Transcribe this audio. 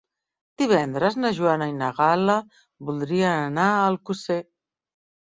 Divendres na Joana i na Gal·la voldrien anar a Alcosser.